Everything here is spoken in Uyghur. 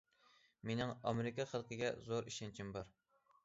مېنىڭ ئامېرىكا خەلقىگە زور ئىشەنچىم بار.